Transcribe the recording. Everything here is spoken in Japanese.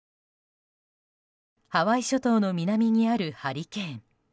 ハワイ諸島の南にあるハリケーン。